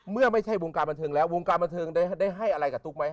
เมื่อไม่ใช่วงการบันเทิงแล้ววงการบันเทิงได้ให้อะไรกับตุ๊กไหม